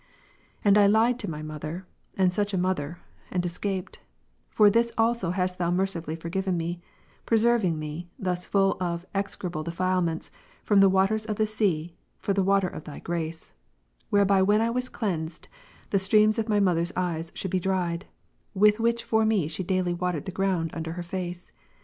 And I lied to my mother, and such a mother, and escaped : for this also hast Thou mercifully forgiven me, preserving me, thus full of execrable defilements, from the traters of the sea, for the water ^ of Thy Grace; whereby when I was cleansed, the streams of my mother's eyes should be dried, with which for me she daily watered the ground under her face.